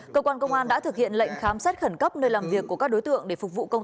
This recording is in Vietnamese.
cơ quan công an đã thực hiện lệnh khám xét khẩn cấp nơi làm việc của các đối tượng để phục vụ công